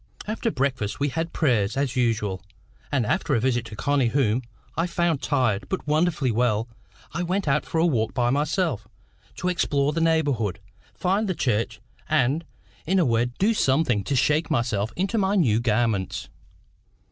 After breakfast we had prayers, as usual, and after a visit to Connie, whom I found tired, but wonderfully well, I went out for a walk by myself, to explore the neighbourhood, find the church, and, in a word, do something to shake myself into my new garments.